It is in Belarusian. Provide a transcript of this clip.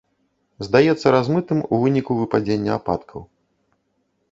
Здаецца размытым у выніку выпадзення ападкаў.